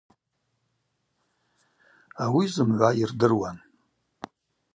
Ауи зымгӏва йырдыруан.